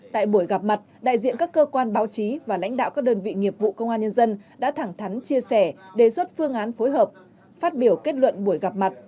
tại buổi gặp mặt đại diện các cơ quan báo chí và lãnh đạo các đơn vị nghiệp vụ công an nhân dân đã thẳng thắn chia sẻ đề xuất phương án phối hợp phát biểu kết luận buổi gặp mặt